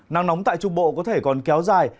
nắng nóng tại trung bộ có thể còn kéo dài